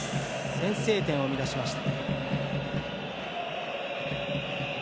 先制点を生み出しました。